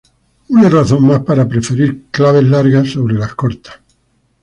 Una razón más para preferir claves largas sobre las cortas.